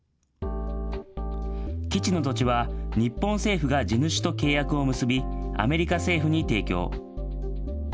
基地の土地は日本政府が地主と契約を結び、アメリカ政府に提供。